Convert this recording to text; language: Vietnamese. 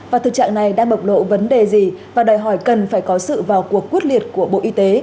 và thực trạng này đang bộc lộ vấn đề gì và đòi hỏi cần phải có sự vào cuộc quyết liệt của bộ y tế